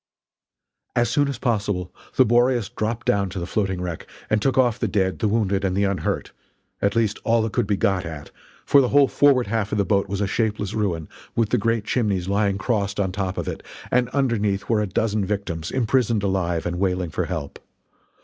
As soon as possible the Boreas dropped down to the floating wreck and took off the dead, the wounded and the unhurt at least all that could be got at, for the whole forward half of the boat was a shapeless ruin, with the great chimneys lying crossed on top of it, and underneath were a dozen victims imprisoned alive and wailing for help.